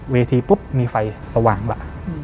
เวทีปุ๊บมีไฟสว่างล่ะ